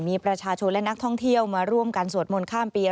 มีประชาชนและนักท่องเที่ยวมาร่วมกันสวดมนต์ข้ามปี